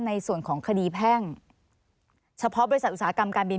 ในส่วนของคดีแพ่งเฉพาะบริษัทอุตสาหกรรมการบิน